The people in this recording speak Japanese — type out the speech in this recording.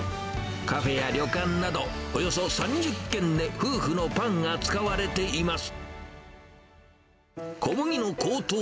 カフェや旅館など、およそ３０軒で夫婦のパンが使われています。